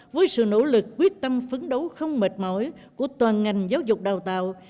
với sự nỗ lực quyết tâm phấn đấu không mệt mỏi của toàn ngành giáo dục đào tạo